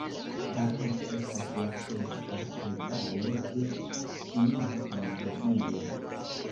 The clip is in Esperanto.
Barato estas la ĉefa rivalo de Ĉinio en Azio.